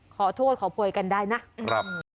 ขอโทษขอโพยกันได้นะครับ